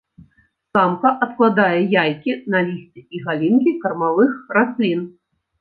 Самка адкладае яйкі на лісце і галінкі кармавых раслін.